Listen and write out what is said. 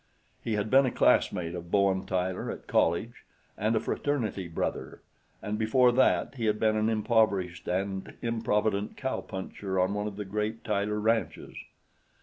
He had been a classmate of Bowen Tyler at college, and a fraternity brother, and before that he had been an impoverished and improvident cow puncher on one of the great Tyler ranches.